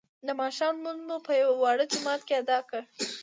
د ماښام لمونځ مو په یوه واړه جومات کې ادا کړ.